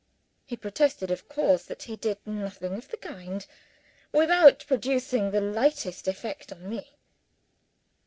He protested of course that he did nothing of the kind without producing the slightest effect on me.